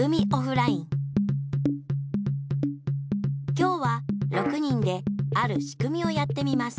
きょうは６人であるしくみをやってみます。